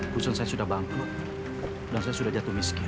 kursen saya sudah bangkit dan saya sudah jatuh miskin